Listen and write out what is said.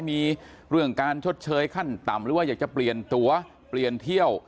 มีเรื่องการชดเชยขั้นต่ำหรือว่าอยากจะเปลี่ยนตัวเปลี่ยนเที่ยว